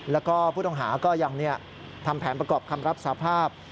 แล้วก็ผู้ต้องหาก็ยังทำแผนประกอบคำรับสาภาพ